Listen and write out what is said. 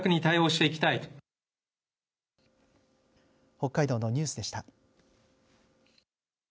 北海道のニュースでした。